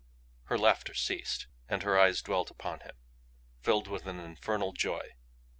Her laughter ceased; her eyes dwelt upon him filled with an infernal joy.